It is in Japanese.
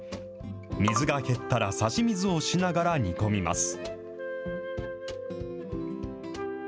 水が減ったら、差し水をしながら煮込みます。